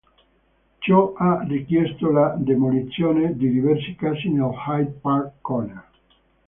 Ciò ha richiesto la demolizione di diverse case nell'Hyde Park Corner.